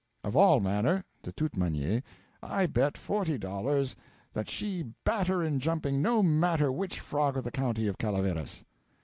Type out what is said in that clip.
Of all manner (de toute maniere) I bet forty dollars that she batter in jumping no matter which frog of the country of Calaveras.'